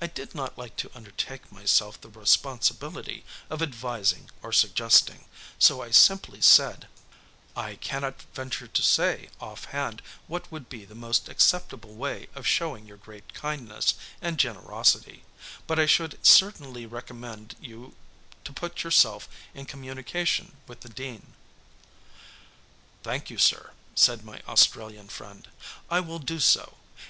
I did not like to undertake myself the responsibility of advising or suggesting, so I simply said: "I cannot venture to say, offhand, what would be the most acceptable way of showing your great kindness and generosity, but I should certainly recommend you to put yourself in communication with the dean." "Thank you, sir," said my Australian friend, "I will do so.